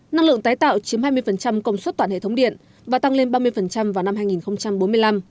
năng lượng tái tạo chiếm hai mươi công suất toàn hệ thống điện và tăng lên ba mươi vào năm hai nghìn bốn mươi năm